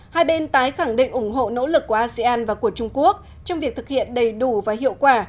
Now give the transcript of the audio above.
hai bên tái khẳng định ủng hộ nỗ lực của asean và của trung quốc trong việc thực hiện đầy đủ và hiệu quả